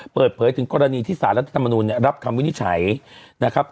เปิดเผยถึงกรณีที่สารรัฐธรรมนุนรับคำวินิจฉัยนะครับ